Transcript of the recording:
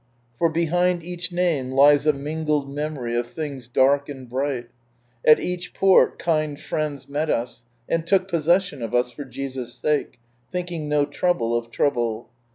For behind each name lies a mingled memory of things dark and bright. At each port, kind friends met us, and took possession of us, for Jesus' sake ; thinking no trouble of trouble.